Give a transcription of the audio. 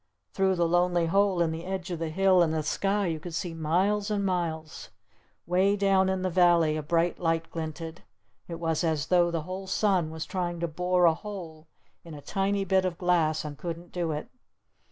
Through the lonely hole in the edge of the hill and the sky you could see miles and miles. Way down in the valley a bright light glinted. It was as though the whole sun was trying to bore a hole in a tiny bit of glass and couldn't do it.